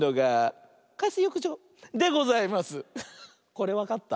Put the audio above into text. これわかった？